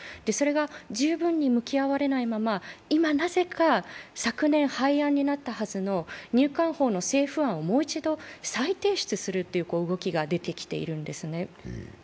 それが十分に向き合われないまま今、なぜか昨年廃案になったはずの入管法の政府案をもう一度再提出するという動きが出てきているんですね。